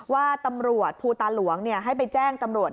ว่าตำรวจภูตาหลวงให้ไปแจ้งตำรวจ